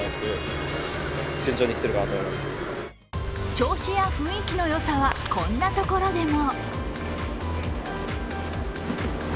調子や雰囲気のよさはこんなところでも。